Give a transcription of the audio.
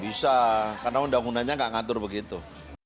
tidak bisa karena undang undangnya tidak mengatur begitu